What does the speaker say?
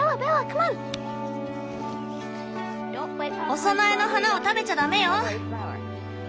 お供えの花を食べちゃダメよ！